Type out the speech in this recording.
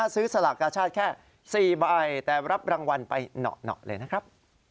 สลากกาชาติแค่๔ใบแต่รับรางวัลไปเหนาะเลยนะครับ